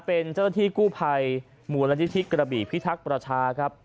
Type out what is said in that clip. เป็นเจ้าที่กู้ไพหมู่รัฐฤทธิกรบิพิทักษ์ประชาครับ